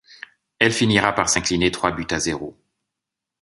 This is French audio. Elle finira par s'incliner trois buts à zéro.